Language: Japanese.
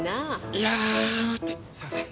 いやあすいません。